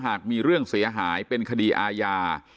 หากมีเรื่องเสียหายเป็นคดีอาญา